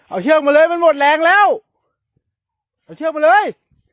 เอาเชือกมาเลยมันหมดแรงแล้วเอาเชือกมาเลย